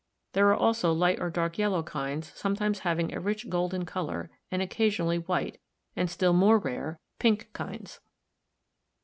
There are also light or dark yellow kinds sometimes having a rich golden color, and occasionally white and, still more rare, pink kinds.